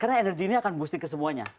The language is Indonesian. karena energi ini akan boosting ke semuanya